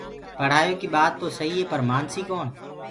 پڙهآئيو ڪي ٻآت توسهيٚ پر مآنسيٚ ڪوڻ